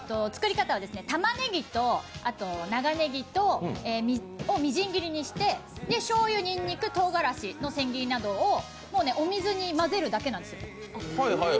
作り方はたまねぎと長ねぎをみじん切りにしてしょうゆ、にんにく、とうがらしの千切りなどをもうね、お水に混ぜるだけなんです